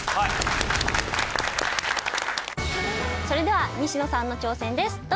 それでは西野さんの挑戦です。